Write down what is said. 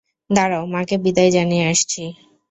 দাঁড়াও, মাকে বিদায় জানিয়ে আসছি।